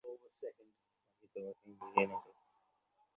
আমি তোমাকে ঘৃণা করি!